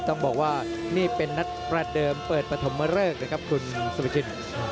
ต้องบอกว่านี่เป็นนัดประเดิมเปิดปฐมเริกนะครับคุณสุภาชิน